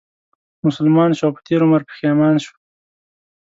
مسلمان شو او په تېر عمر پښېمان شو